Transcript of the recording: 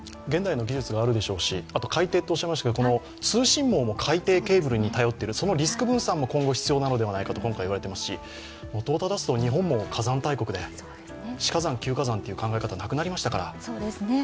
現代の技術があるでしょうしそれから、通信網も海底ケーブルに頼っている、そのリスク分散も今後必要なのではないかと今回いわれていますし、元をただすと日本も火山大国で死火山、休火山という考え方はなくなりましたから。